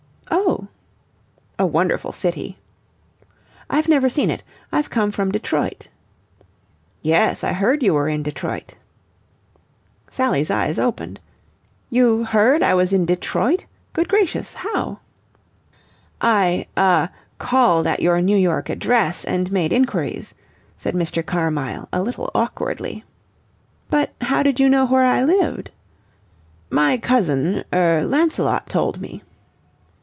"Oh!" "A wonderful city." "I've never seen it. I've come from Detroit." "Yes, I heard you were in Detroit." Sally's eyes opened. "You heard I was in Detroit? Good gracious! How?" "I ah called at your New York address and made inquiries," said Mr. Carmyle a little awkwardly. "But how did you know where I lived?" "My cousin er Lancelot told me."